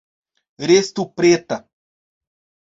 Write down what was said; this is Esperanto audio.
Restu preta.